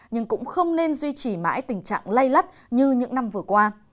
nhưng cũng không nên duy trì mãi tình trạng lây lắt như những năm vừa qua